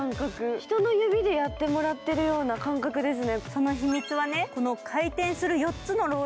人の指でやってもらってるような感覚ですね。